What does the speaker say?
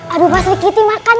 aduh pasri kiti makan